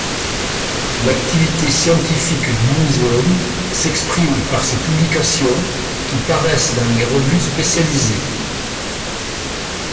L'activité scientifique du muséum s'exprime par ses publications, qui paraissent dans les revues spécialisées.